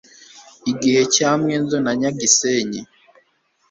igihe cya Mwendo na Nyagisenyi